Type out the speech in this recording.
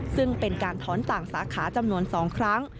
ซึ่งเป็นการถอนต่างสาขาจำนวน๒ครั้ง